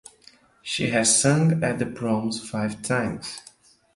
She has sung at The Proms five times.